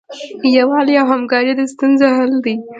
یووالی او همکاري د ستونزو حل دی.